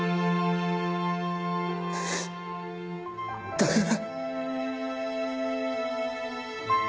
だから。